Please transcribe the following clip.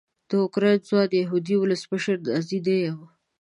د اوکراین ځوان یهودي ولسمشر نازي نه یم.